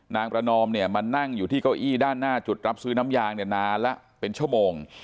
นางประนอมเนี่ยมานั่งอยู่ที่เก้าอี้ด้านหน้าจุดรับซื้อน้ำยางเนี่ยนานละเป็นชั่วโมง